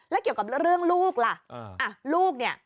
แล้วเกี่ยวกับเรื่องลูกล่ะลูกเนี่ย